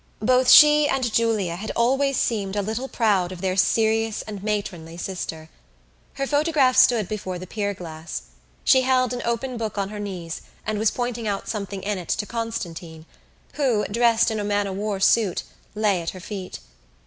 Both she and Julia had always seemed a little proud of their serious and matronly sister. Her photograph stood before the pierglass. She held an open book on her knees and was pointing out something in it to Constantine who, dressed in a man o' war suit, lay at her feet.